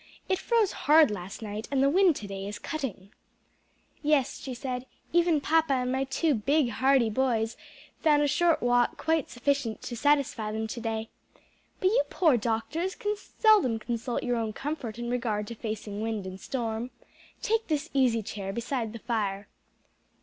It froze hard last night, and the wind to day is cutting." "Yes," she said, "even papa and my two big, hardy boys found a short walk quite sufficient to satisfy them to day. But you poor doctors can seldom consult your own comfort in regard to facing wind and storm. Take this easy chair beside the fire."